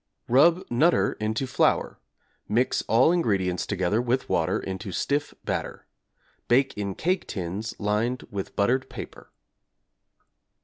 Rub 'Nutter' into flour, mix all ingredients together with water into stiff batter; bake in cake tins lined with buttered paper.